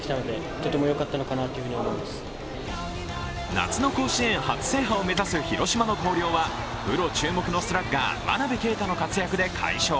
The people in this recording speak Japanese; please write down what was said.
夏の甲子園初制覇を目指す広島の広陵はプロ注目のスラッガー真鍋慧の活躍で快勝。